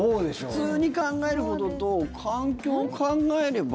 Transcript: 普通に考えることと環境を考えれば。